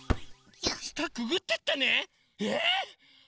したくぐってったね